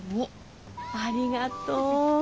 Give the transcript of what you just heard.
ありがとう。